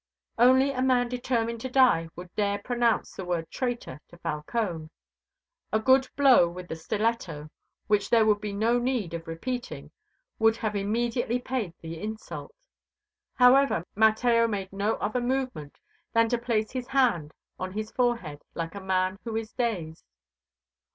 Only a man determined to die would dare pronounce the word traitor to Falcone. A good blow with the stiletto, which there would be no need of repeating, would have immediately paid the insult. However, Mateo made no other movement than to place his hand on his forehead like a man who is dazed.